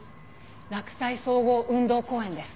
洛西総合運動公園です。